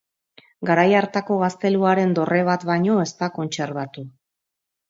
Garai hartako gazteluaren dorre bat baino ez da kontserbatu.